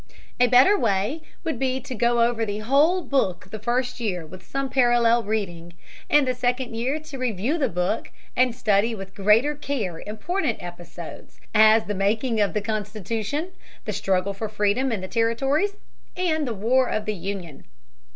A better way would be to go over the whole book the first year with some parallel reading, and the second year to review the book and study with greater care important episodes, as the making of the Constitution, the struggle for freedom in the territories, and the War for the Union.